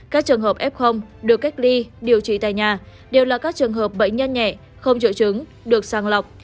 các trường hợp f được cách ly điều trị tại nhà đều là các trường hợp bệnh nhân nhẹ không triệu chứng được sàng lọc